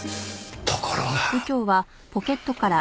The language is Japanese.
ところが。